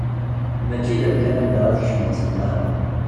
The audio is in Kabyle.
Mačči d amkan anda ara tkecmeḍ s lqahwa.